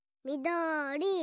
みどり。